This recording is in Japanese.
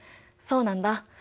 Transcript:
そうなんだ。